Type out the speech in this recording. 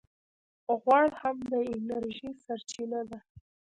غوړ هم د انرژۍ سرچینه ده